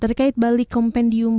terkait balik kompendium